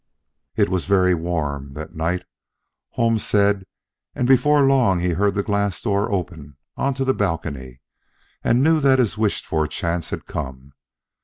It was very warm, that night, Holmes said, and before long he heard the glass doors open onto the balcony, and knew that his wished for chance had come.